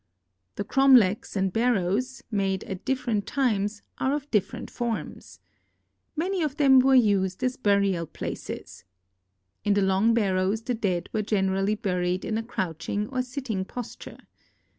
The cromlechs and barrows, made at different times, are of different forms. Many of them were used as burial places. In the long l)arrows the dead were generally buried in a crouching or sitting posture.